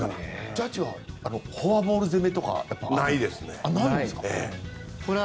ジャッジはフォアボール攻めとかないの？